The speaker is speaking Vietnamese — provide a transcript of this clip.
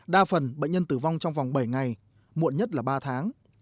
đa phần bệnh nhân tử vong trong vòng bảy ngày muộn nhất là ba tháng